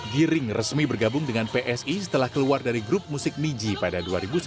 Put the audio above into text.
giring resmi bergabung dengan psi setelah keluar dari grup musik niji pada dua ribu sepuluh